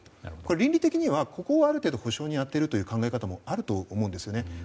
倫理的にはここを補償に充てるという考え方もあると思うんですよね。